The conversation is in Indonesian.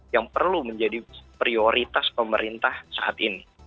yang perlu menjadi prioritas pemerintah saat ini